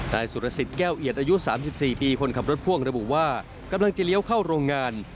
นายสุรสิทธิแก้วเอียดอายุ๓๔ปีคนขับรถพ่วงระบุว่ากำลังจะเลี้ยวเข้าโรงงาน